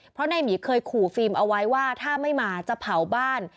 เพราะนายหมีเคยขู่ฟิล์มเอาไว้ว่าถ้าไม่มาจะเผาบ้าน